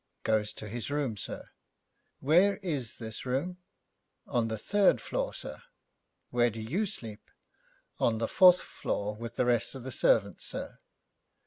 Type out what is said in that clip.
'Goes to his room, sir.' 'Where is this room?' 'On the third floor, sir.' 'Where do you sleep?' 'On the fourth floor with the rest of the servants, sir.'